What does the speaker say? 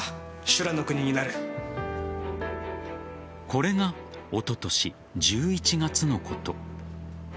これがおととし１１月のこと。